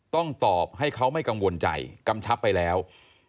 ต้องตอบให้เขาไม่กังวลใจกำชับไปแล้ว